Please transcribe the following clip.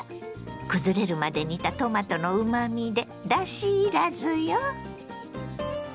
くずれるまで煮たトマトのうまみでだしいらずよ。